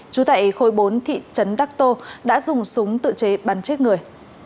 chú tại khối bốn thị trấn đắc tô đã dùng súng tự chế bắn chết người